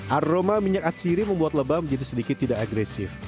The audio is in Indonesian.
aroma minyak atsiri membuat lebah menjadi sedikit tidak agresif